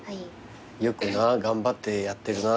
よくな頑張ってやってるな。